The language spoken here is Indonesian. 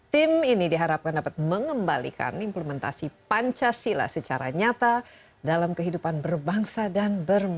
tim ini diharapkan dapat mengembalikan implementasi pancasila secara nyata dalam kehidupan berbangsa dan berkembang